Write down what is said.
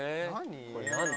これ何だ？